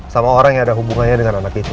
sama orang yang ada hubungannya dengan anak itu